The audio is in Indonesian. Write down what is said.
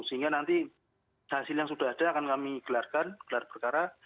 sehingga nanti hasil yang sudah ada akan kami gelarkan gelar perkara